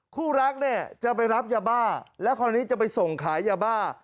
คู่รักเนี่ยจะไปรับยาบ้าแล้วคราวนี้จะไปส่งขายยาบ้า